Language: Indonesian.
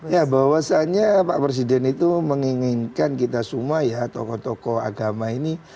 ya bahwasannya pak presiden itu menginginkan kita semua ya tokoh tokoh agama ini